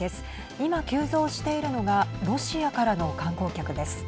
今、急増しているのがロシアからの観光客です。